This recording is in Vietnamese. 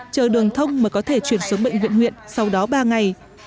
chờ đường thông mới có thể chuyển xuống bệnh viện huyện sau đó ba ngày